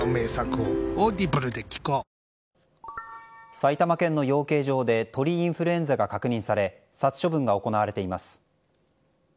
埼玉県の養鶏場で鳥インフルエンザが確認され殺処分が行われています。